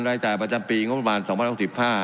รายจ่ายประจำปีงบประมาณสองพันหกสิบห้า